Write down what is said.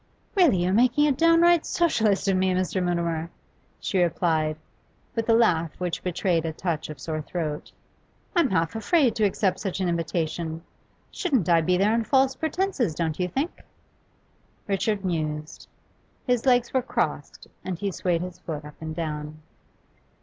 'Really, you're making a downright Socialist of me, Mr. Mutimer,' she replied, with a laugh which betrayed a touch of sore throat. 'I'm half afraid to accept such an invitation. Shouldn't I be there on false pretences, don't you think?' Richard mused; his legs were crossed, and he swayed his foot up and down.